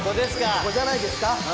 ここじゃないですか。